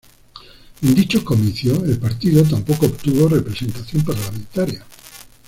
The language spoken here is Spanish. En dichos comicios, el partido tampoco obtuvo representación parlamentaria.